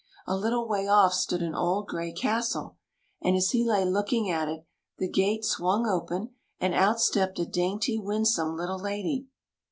A little way off stood an old grey castle ; and as he lay looking at it the gate swung open, and out stepped a dainty, winsome little lady.